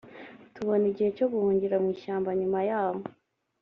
tubona igihe cyo guhungira mu ishyamba nyuma yaho